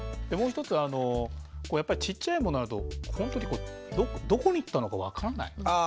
もう一つやっぱりちっちゃいものあるとほんとにどこに行ったのか分からない。